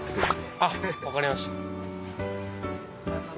あっ分かりました。